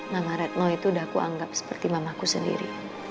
nama retno itu udah aku anggap seperti mamaku sendiri